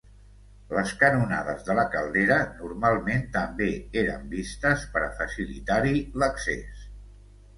Les "canonades" de la caldera normalment també eren vistes, per a facilitar-hi l'accés.